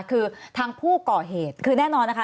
คือทางผู้ก่อเหตุคือแน่นอนนะคะ